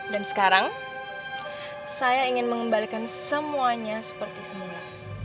dan sekarang saya ingin mengembalikan semuanya seperti semula